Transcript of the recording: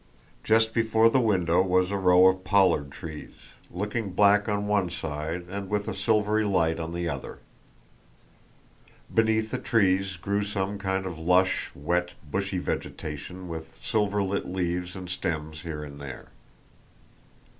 Just before the window was a row of pollard trees, looking black on one side and with a silvery light on the other. Beneath the trees grew some kind of lush, wet, bushy vegetation with silver lit leaves and stems here and there.